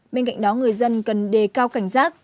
bên cạnh đó người dân cần đề cao cảnh giác